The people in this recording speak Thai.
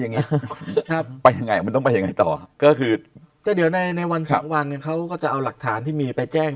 ยังไงมันต้องไปยังไงต่อก็คือในวันของวันเขาก็จะเอาหลักฐานที่มีไปแจ้ง